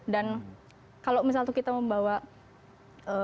dan kalau misalnya kita membawa kebiri ini ke rumah